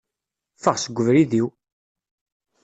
Ffeɣ seg ubrid-iw!